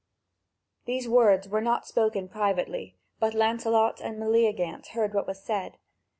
These words were not spoken privately, but Lancelot and Meleagrant heard what was said.